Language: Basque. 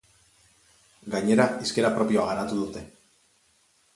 Gainera, hizkera propioa garatu dute.